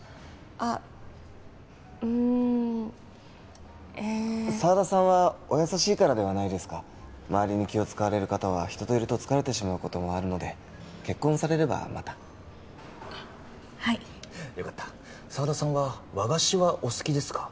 あっうんえ沢田さんはお優しいからではないですか周りに気を使われる方は人といると疲れてしまうこともあるので結婚されればまたあっはいよかった沢田さんは和菓子はお好きですか？